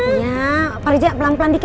iya pak riza pelan pelan dikit